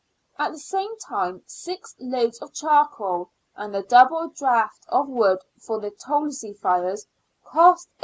At the same time, six loads of charcoal and a double draught of wood for the Tolzey fires cost 8s.